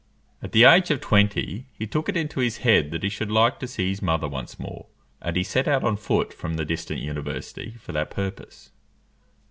At the age of twenty, he took it into his head that he should like to see his mother once more; and he set out on foot from the distant university for that purpose.